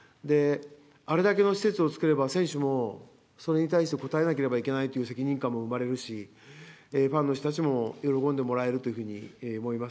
あれだけの施設を造れば、選手もそれに対して応えなければいけないという責任感も生まれるし、ファンの人たちも喜んでもらえるというふうに思います。